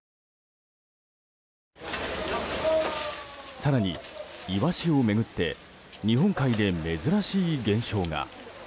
更にイワシを巡って日本海で珍しい現象が。